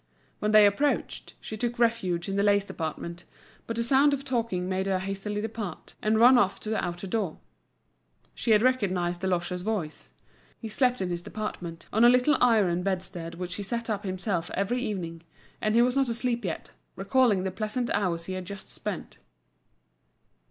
When they approached, she took refuge in the lace department, but a sound of talking made her hastily depart, and run off to the outer door. She had recognised Deloche's voice. He slept in his department, on a little iron bedstead which he set up himself every evening; and he was not asleep yet, recalling the pleasant hours he had just spent.